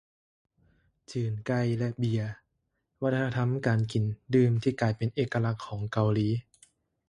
ຈືນໄກ່ ແລະ ເບຍ ວັດທະນະທຳການກິນດື່ມທີ່ກາຍເປັນເອກະລັກຂອງເກົາຫຼີ